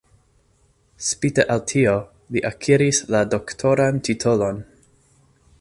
Spite al tio, li akiris la doktoran titolon.